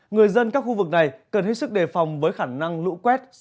người dân các khu vực này cần hết sức đề phòng với khả năng lũ quét